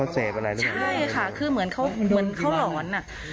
ใช่ค่ะคือเหมือนเขาหลอน